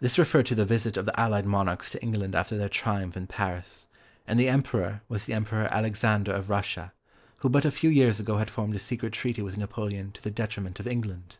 This referred to the visit of the Allied monarchs to England after their triumph in Paris, and the "Emperor" was the Emperor Alexander of Russia, who but a few years ago had formed a secret treaty with Napoleon to the detriment of England!